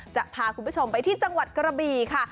จะพาคุณผู้ชมไปที่จังหวัดกระบี่ค่ะ